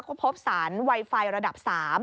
เขาพบสารไวไฟระดับ๓